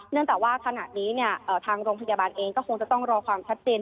เนื่องจากว่าขนาดนี้ทางโรงพยาบาลเองก็คงจะต้องรอความชัดเจน